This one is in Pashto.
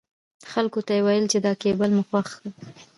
خلکو ته يې ويل چې دا کېبل مو خوښ دی.